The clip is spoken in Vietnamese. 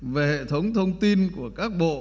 hệ thống thông tin của các bộ